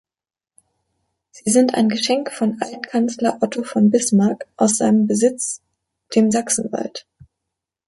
Sie sind ein Geschenk von Alt-Kanzler Otto von Bismarck aus seinem Besitz dem Sachsenwald.